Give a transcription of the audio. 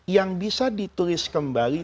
yang bisa ditulis kembali